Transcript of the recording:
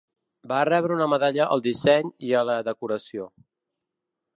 Va rebre una medalla al disseny i a la decoració.